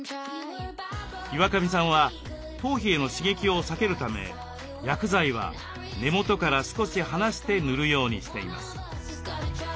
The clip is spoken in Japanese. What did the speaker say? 岩上さんは頭皮への刺激を避けるため薬剤は根元から少し離して塗るようにしています。